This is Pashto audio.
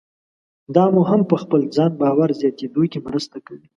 دا مو هم په خپل ځان باور زیاتېدو کې مرسته کوي.